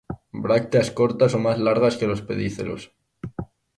Brácteas cortas o más largas que los pedicelos.